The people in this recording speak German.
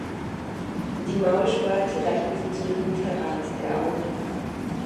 Die Maulspalte reicht bis zum Hinterrand der Augen.